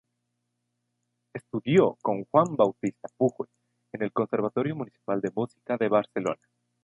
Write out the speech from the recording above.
Estudió con Juan Bautista Pujol en el Conservatorio Municipal de Música de Barcelona.